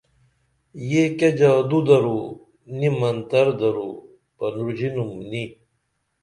یہ کیہ جادو درو نی منتر درو پروژینُم نی